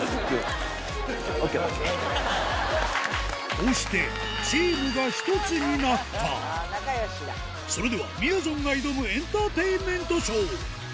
こうしてチームがひとつになったそれではみやぞんが挑むエンターテインメントショー